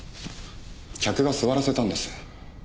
客が座らせたんです。